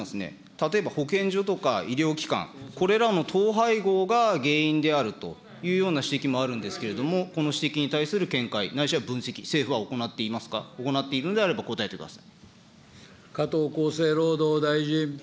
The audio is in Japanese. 例えば、保健所とか医療機関、これらの統廃合が原因であるというような指摘もあるんですけれども、この指摘に対する見解、ないしは分析、政府は行っていますか、行っているのであれば答えてください。